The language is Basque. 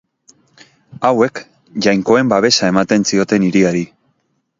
Hauek jainkoen babesa ematen zioten hiriari.